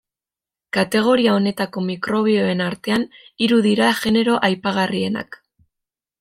Kategoria honetako mikrobioen artean hiru dira genero aipagarrienak.